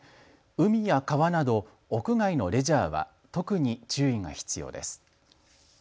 海や川など屋外のレジャーは特に注意が必要です。